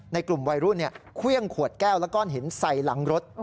ในกลุ่มวัยรุ่นเครื่องขวดแก้วและก้อนหินใส่หลังรถ